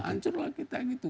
hancurlah kita gitu